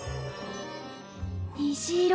虹色？